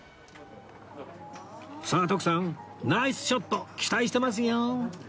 さあ徳さんナイスショット期待してますよ